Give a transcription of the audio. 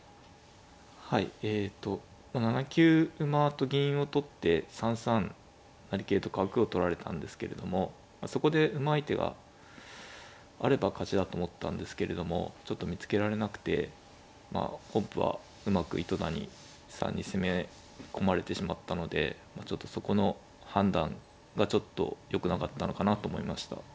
はいえと７九馬と銀を取って３三成桂と角を取られたんですけれどもそこでうまい手があれば勝ちだと思ったんですけれどもちょっと見つけられなくてまあ本譜はうまく糸谷さんに攻め込まれてしまったのでちょっとそこの判断がちょっとよくなかったのかなと思いました。